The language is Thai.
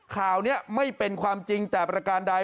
ข่าวนี้ไม่เป็นความจริงแต่ประการใด